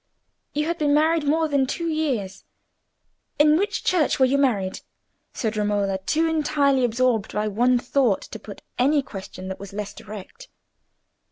"You had been married more than two years. In which church were you married?" said Romola, too entirely absorbed by one thought to put any question that was less direct.